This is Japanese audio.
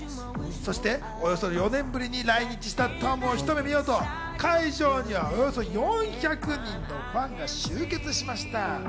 そして、およそ４年ぶりに来日したトムをひと目見ようと、会場にはおよそ４００人のファンが集結しました。